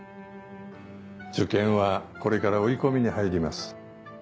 受験はこれから追い込みに入ります。